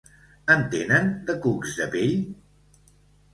En tenen, de cucs de pell?